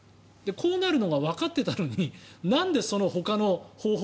こうなるのがわかっていたのになんでほかの方法